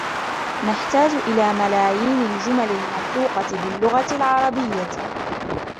نحتاج الى ملايين الجمل المنطوقة باللغة العربية